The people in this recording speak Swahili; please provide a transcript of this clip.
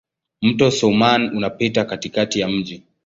Mto Soummam unapita katikati ya mji.